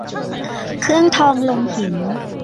เครื่องทองลงหิน